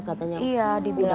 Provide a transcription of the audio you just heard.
katanya ibu sudah pindah